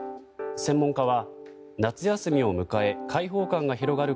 専門家は夏休みを迎え開放感が広がる